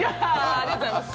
ありがとうございます。